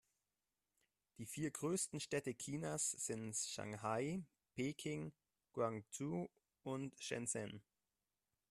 Die vier größten Städte Chinas sind Shanghai, Peking, Guangzhou und Shenzhen.